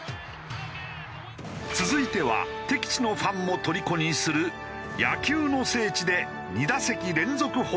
続いては敵地のファンもとりこにする野球の聖地で２打席連続ホームラン。